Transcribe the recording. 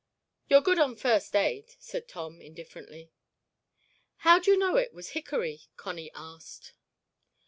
"You're good on first aid," said Tom, indifferently. "How'd you know it was hickory?" Connie asked.